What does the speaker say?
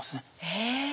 へえ！